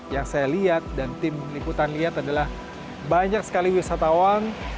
yang saya lihat dan tim liputan lihat adalah banyak sekali wisatawan